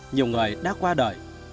nhiều người đã qua đời